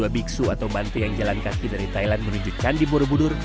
tiga puluh dua biksu atau bantai yang jalan kaki dari thailand menuju candi borobudur